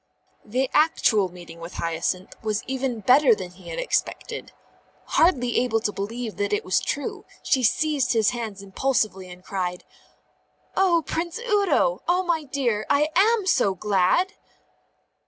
The actual meeting with Hyacinth was even better than he had expected. Hardly able to believe that it was true, she seized his hands impulsively and cried: "Oh, Prince Udo! oh, my dear, I am so glad!"